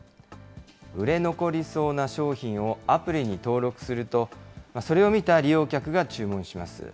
売れ残りそうな商品をアプリに登録すると、それを見た利用客が注文します。